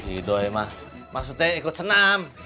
ido emang maksudnya ikut senam